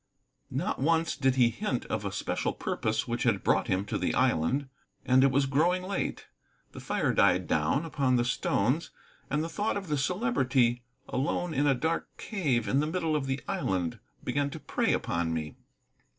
Not once did he hint of a special purpose which had brought him to the island, and it was growing late. The fire died down upon the stones, and the thought of the Celebrity, alone in a dark cave in the middle of the island, began to prey upon me.